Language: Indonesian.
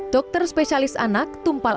dokter spesialis anak tumpal